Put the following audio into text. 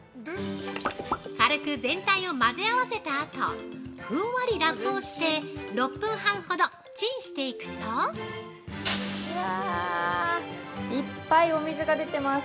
◆軽く全体を混ぜ合わせたあとふんわりラップをして６分半ほどチンしていくと◆いっぱいお水が出ています。